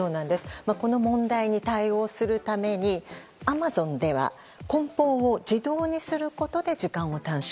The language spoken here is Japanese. この問題に対応するためにアマゾンでは梱包を自動にすることで時間を短縮。